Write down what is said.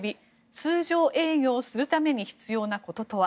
通常営業するために必要なこととは。